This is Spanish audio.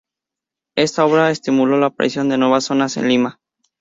Esta obra estimuló la aparición de nuevas zonas en Lima.